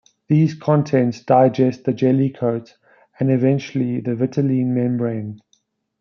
These contents digest the jelly coat and eventually the vitelline membrane.